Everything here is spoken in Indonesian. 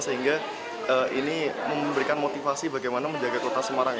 sehingga ini memberikan motivasi bagaimana menjaga kota semarang